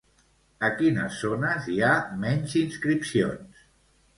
A quines zones hi ha menys inscripcions?